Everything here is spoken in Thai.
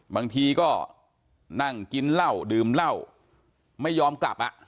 บางทีก็นั่งกินเหล้าดื่มเหล้าไม่ยอมกลับอ่ะ